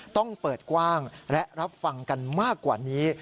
ต้องเปิดกว้างและรับฟังกันมากกว่านี้